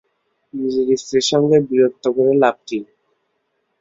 নিজের স্ত্রীর সঙ্গে বীরত্ব করে লাভ কী।